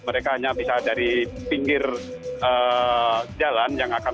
mereka hanya bisa dari pinggir jalan yang akan